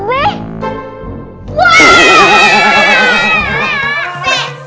aduh aduh aduh